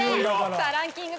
さあランキング